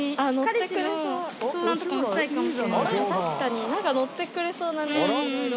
確かになんかのってくれそうだね色々。